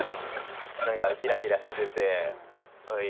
何かギラギラしてておい！